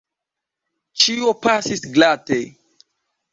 Ĉio pasis glate.